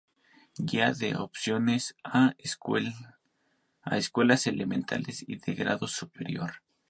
Guía de oposiciones á escuelas elementales y de grado superior".